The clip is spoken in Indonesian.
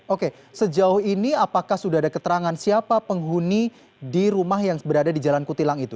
oke sejauh ini apakah sudah ada keterangan siapa penghuni di rumah yang berada di jalan kutilang itu